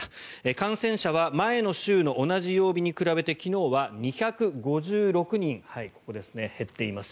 感染者は前の週の同じ曜日に比べて昨日は２５６人減っています。